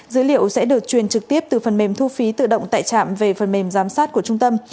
dữ liệu sẽ được truyền trực tiếp từ phần mềm thu phí tự động tại trạm về phần mềm giám sát của trung tâm